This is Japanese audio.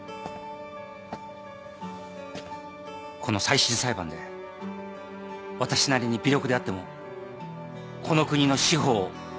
この再審裁判で私なりに微力であってもこの国の司法を裁く覚悟です。